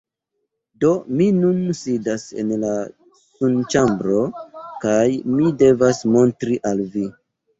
Do mi nun sidas en la sunĉambro kaj mi devas montri al vi.